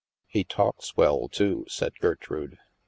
" He talks well, too," said Gertrude.